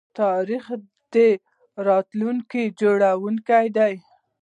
تاریخ د راتلونکي جوړونکی دی.